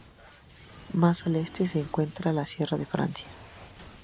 Más al este se encuentra la Sierra de Francia.